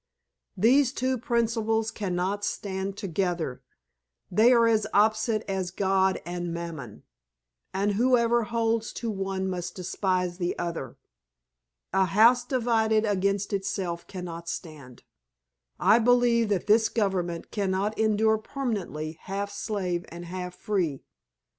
These two principles cannot stand together. They are as opposite as God and Mammon; and whoever holds to one must despise the other. 'A house divided against itself cannot stand.' I believe that this government cannot endure permanently half slave and half free.